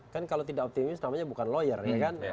kan kalau tidak optimis namanya bukan lawyer ya kan